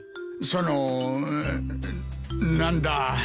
その何だ。